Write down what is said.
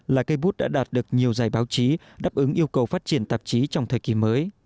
là cây bút đã đạt được nhiều giải báo chí đáp ứng yêu cầu phát triển tạp chí trong thời kỳ mới